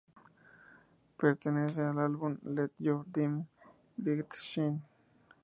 Pertenece al álbum "Let Your Dim Light Shine".